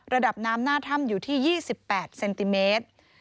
ระดับน้ำหน้าถ้ำอยู่ที่๒๘เซนติเมตร